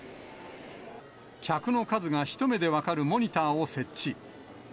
客の数が一目で分かるモニターを設置。